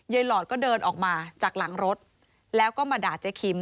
หลอดก็เดินออกมาจากหลังรถแล้วก็มาด่าเจ๊คิม